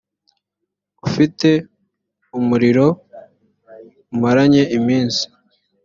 ufite umuriro umaranye iminsi